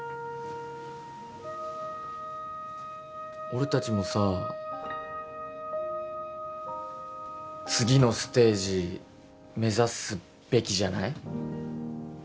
俺たちもさ次のステージ目指すべきじゃない？